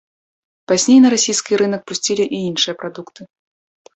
Пазней на расійскі рынак пусцілі і іншыя прадукты.